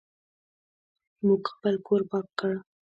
موږ خپل کور پاک کړ.